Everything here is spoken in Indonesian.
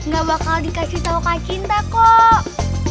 gak bakal dikasih sama kak cinta kok